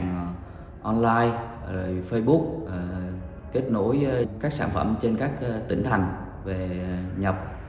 bằng online facebook kết nối các sản phẩm trên các tỉnh thành về nhập